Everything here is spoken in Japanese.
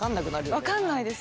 分かんないです。